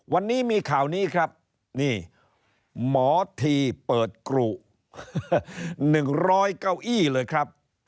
วันนี้มีข่าวนี้ครับนี่หมอทีเปิดกรุ๑๐๐เก้าอี้เลยครับ